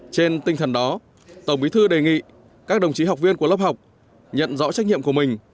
trên tinh thần đó tổng bí thư đề nghị các đồng chí học viên của lớp học nhận rõ trách nhiệm của mình